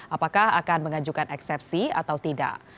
apakah akan mengajukan eksepsi atau tidak